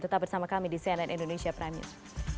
tetap bersama kami di cnn indonesia prime news